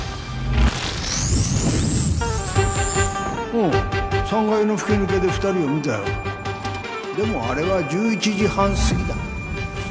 おぉ３階の吹き抜けで２でもあれは１１時半すぎだ